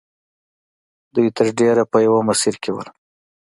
دوی تر ډېره په یوه مسیر کې وو